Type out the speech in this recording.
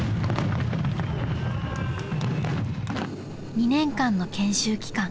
［２年間の研修期間］